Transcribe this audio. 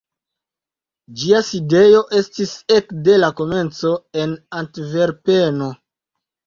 Ĝia sidejo estis ekde la komenco en Antverpeno.